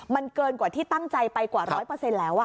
มันเกินกว่าที่ตั้งใจไปกว่า๑๐๐แล้ว